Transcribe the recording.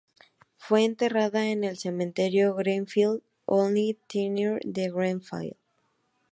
Fue enterrada en el Cementerio Greenfield Holy Trinity de Greenfield.